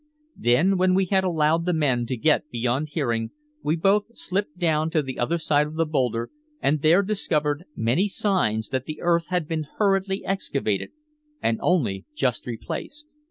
Then when we had allowed the men to get beyond hearing, we both slipped down to the other side of the boulder and there discovered many signs that the earth had been hurriedly excavated and only just replaced.